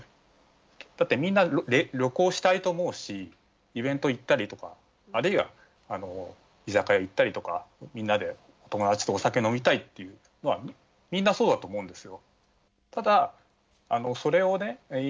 だってみんな旅行したいと思うしイベント行ったりとかあるいは居酒屋行ったりとかみんなで友達とお酒飲みたいっていうのはみんなそうだと思うんですよ。